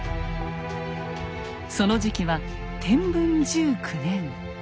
その時期は天文１９年。